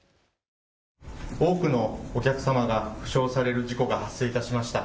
多くのお客様が負傷される事故が発生しました。